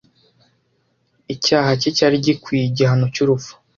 Icyaha cye cyari gikwiye igihano cyurupfu.